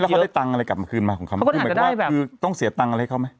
เขาได้ตังค์อะไรกลับมาคืนมาของเขาไหมคือหมายถึงว่าคือต้องเสียตังค์อะไรให้เขาไหม